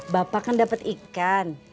bapak kan dapet ikan